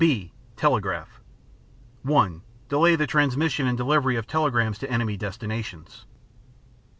(b) Telegraph (1) Delay the transmission and delivery of telegrams to enemy destinations.